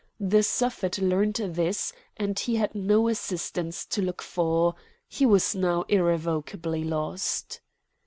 The Suffet learnt this, and he had no assistance to look for! He was now irrevocably lost.